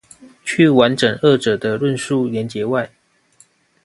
去完整二者的論述連結外